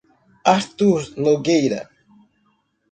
Artur Nogueira